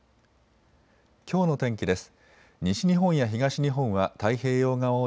きょうの天気です。